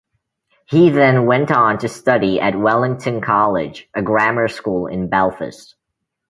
He then went on to study at Wellington College, a grammar school in Belfast.